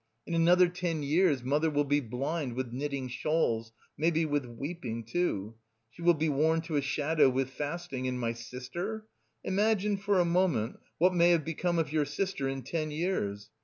In another ten years, mother will be blind with knitting shawls, maybe with weeping too. She will be worn to a shadow with fasting; and my sister? Imagine for a moment what may have become of your sister in ten years?